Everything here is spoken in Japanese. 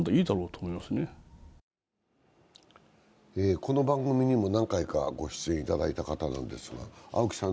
この番組にも何回かご出演いただいた方ですが。